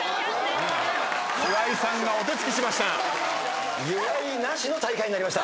岩井さんがお手付きしました。